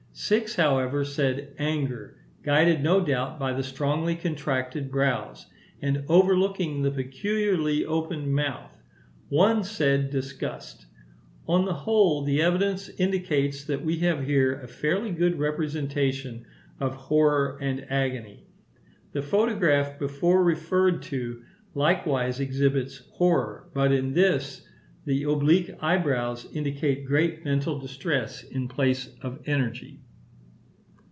Six, however, said anger, guided no doubt, by the strongly contracted brows, and overlooking the peculiarly opened mouth. One said disgust. On the whole, the evidence indicates that we have here a fairly good representation of horror and agony. The photograph before referred to (Pl. VII. fig. 2) likewise exhibits horror; but in this the oblique eyebrows indicate great mental distress in place of energy.